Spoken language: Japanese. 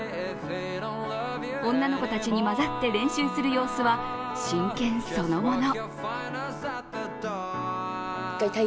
女の子たちに交ざって練習する様子は真剣そのもの。